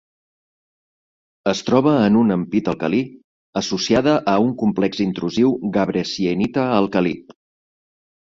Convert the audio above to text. Es troba en un ampit alcalí, associada a un complex intrusiu gabre-sienita alcalí.